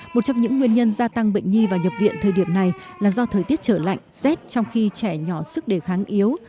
một trong những nguyên nhân gia tăng bệnh nhi vào nhập viện thời điểm này là do thời tiết trở lạnh rét trong khi trẻ nhỏ sức đề kháng yếu